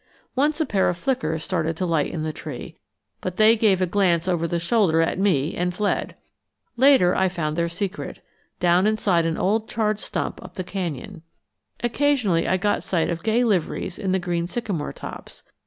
Once a pair of flickers started to light in the tree, but they gave a glance over the shoulder at me and fled. Later I found their secret down inside an old charred stump up the canyon. Occasionally I got sight of gay liveries in the green sycamore tops.